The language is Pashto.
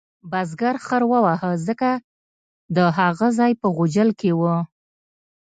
بزګر خر وواهه ځکه د هغه ځای په غوجل کې و.